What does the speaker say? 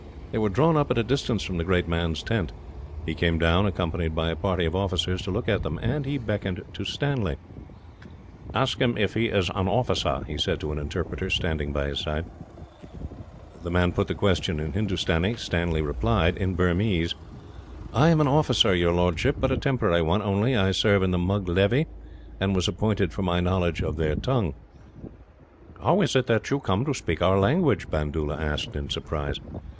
They were drawn up at a distance from the great man's tent. He came down, accompanied by a party of officers, to look at them. He beckoned to Stanley. Stanley is brought before Bandoola, the Burmese general. "Ask him if he is an officer," he said to an interpreter, standing by his side. The man put the question in Hindustani. Stanley replied, in Burmese: "I am an officer, your lordship, but a temporary one, only. I served in the Mug levy, and was appointed for my knowledge of their tongue." "How is it that you come to speak our language?" Bandoola asked, in surprise.